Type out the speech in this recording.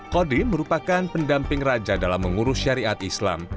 kodim merupakan pendamping raja dalam mengurus syariat islam